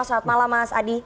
selamat malam mas adi